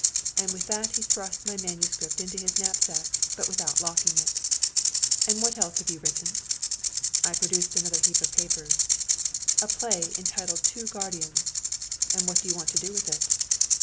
And with that he thrust my manuscript into his knapsack, but without locking it. "And what else have you written?" I produced another heap of papers. "A play entitled Two Guardians." "And what do you want to do with it?"